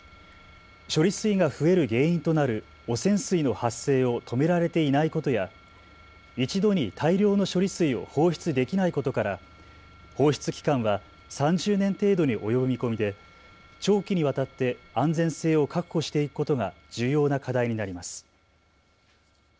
処理水が増える原因となる汚染水の発生を止められていないことや一度に大量の処理水を放出できないことから放出期間は３０年程度に及ぶ見込みで長期にわたって安全性を確保していくことが重要な課題になります。